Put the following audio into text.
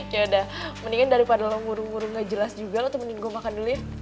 yaudah mendingan daripada lo ngurung ngurung gak jelas juga lo temenin gue makan dulu ya